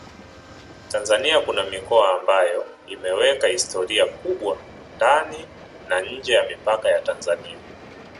Tanzania kuna mikoa ambayo imeweka historia kubwa ndani na nje ya mipaka ya Tanzania